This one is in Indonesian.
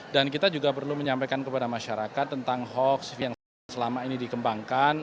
dan kita juga perlu menyampaikan kepada masyarakat tentang hoax yang selama ini dikembangkan